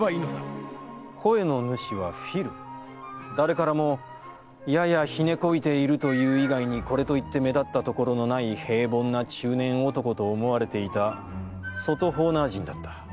声の主はフィル誰からも、ややひねこびているという以外にこれといって目立ったところのない平凡な中年男と思われていた外ホーナー人だった。